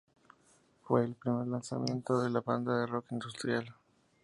Fue el primer lanzamiento de la banda de rock industrial.